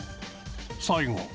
最後。